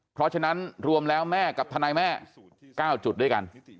เพราะฉะนั้นรวมแล้วแม่กับทนายแม่๙จุดด้วยกัน